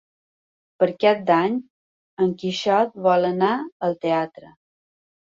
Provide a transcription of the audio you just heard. Per Cap d'Any en Quixot vol anar al teatre.